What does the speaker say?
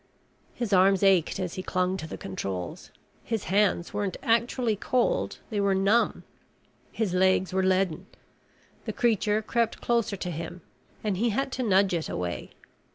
His arms ached as he clung to the controls. His hands weren't actually cold, they were numb. His legs were leaden. The creature crept closer to him and he had to nudge it away.